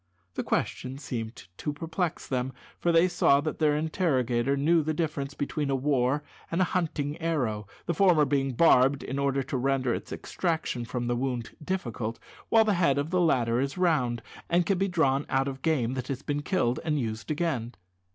This question seemed to perplex them, for they saw that their interrogator knew the difference between a war and a hunting arrow the former being barbed in order to render its extraction from the wound difficult, while the head of the latter is round, and can be drawn out of game that has been killed, and used again.